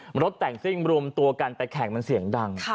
มะรถแต่งซึ้งแสกนไปแข่งเสียงดัง